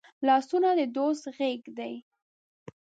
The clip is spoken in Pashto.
لاسونه د دوست غېږ دي